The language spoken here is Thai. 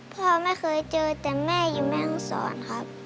พ่อไม่เคยเจอแต่แม่อยู่แม่ห้องศรครับ